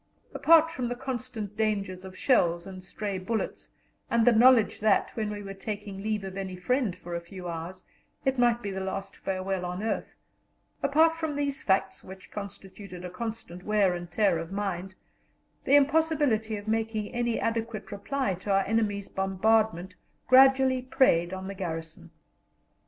Apart from the constant dangers of shells and stray bullets, and the knowledge that, when we were taking leave of any friend for a few hours, it might be the last farewell on earth apart from these facts, which constituted a constant wear and tear of mind, the impossibility of making any adequate reply to our enemy's bombardment gradually preyed on the garrison.